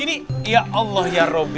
ini ya allah ya roby